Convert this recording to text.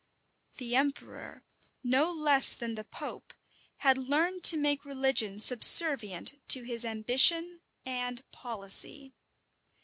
The emperor, no less than the pope, had learned to make religion subservient to his ambition and policy.